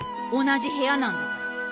同じ部屋なんだから。